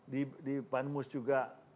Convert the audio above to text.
di di panmus juga